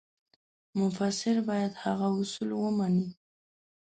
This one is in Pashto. مفسر باید هغه اصول ومني.